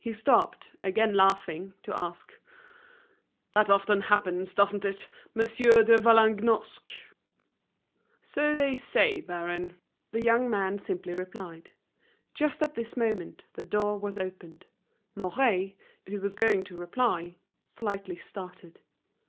He stopped, again laughing, to ask, "That often happens, doesn't it, Monsieur de Vallagnosc?" "So they say, baron," the young man simply replied. Just at this moment the door was opened. Mouret, who was going to reply, slightly started.